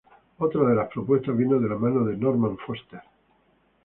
Otra de las propuestas vino de la mano de Norman Foster.